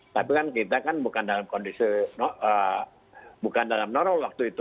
tapi kan kita bukan dalam kondisi normal waktu itu